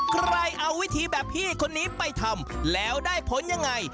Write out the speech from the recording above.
ใครเอาวิธีแบบพี่คนนี้ไปทำแล้วได้ผลยังไง